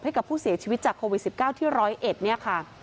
ให้กับผู้เสียชีวิตจากโควิด๑๙ที่๑๐๑เนี่ยค่ะ